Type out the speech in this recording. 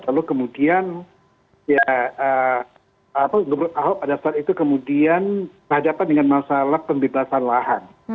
lalu kemudian ya gubernur ahok pada saat itu kemudian berhadapan dengan masalah pembebasan lahan